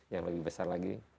yang lebih besar lagi